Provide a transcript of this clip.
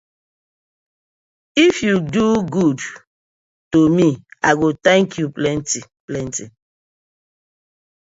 If yu do good to me, I go tank yu plenty plenty.